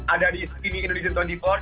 ada di tv indonesian dua puluh empat